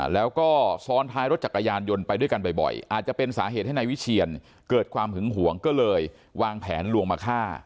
แล้วก็ซ้อนท้ายรถจักรยานยนต์ไปด้วยกันบ่อยอาจจะเป็นสาเหตุให้นายวิเชียนเกิดความหึงหวงก็เลยวางแผนลวงมาฆ่า